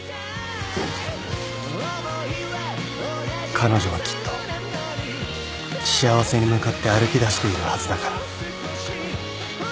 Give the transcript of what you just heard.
彼女はきっと幸せに向かって歩きだしているはずだから